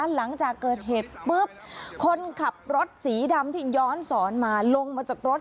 หลังจากเกิดเหตุปุ๊บคนขับรถสีดำที่ย้อนสอนมาลงมาจากรถ